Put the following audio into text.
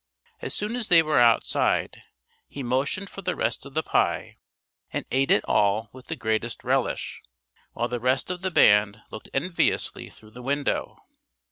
As soon as they were outside he motioned for the rest of the pie and ate it all with the greatest relish while the rest of the band looked enviously through the window.